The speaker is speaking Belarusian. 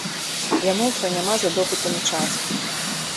Яму ўсё няма за допытамі часу.